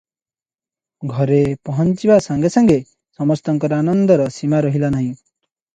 ଘରେ ପହଞ୍ଚିବା ସାଙ୍ଗେ ସାଙ୍ଗେ ସମସ୍ତଙ୍କର ଆନନ୍ଦର ସୀମା ରହିଲା ନାହିଁ ।